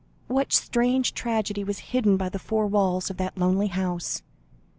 What strange tragedy was hidden by the four walls of that lonely house?